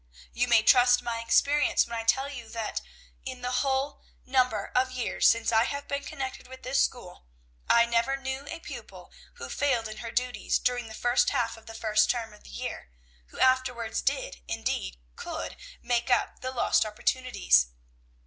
"You may trust my experience when I tell you that, in the whole number of years since I have been connected with this school, I never knew a pupil who failed in her duties during the first half of the first term of the year, who afterwards did, indeed could, make up the lost opportunities.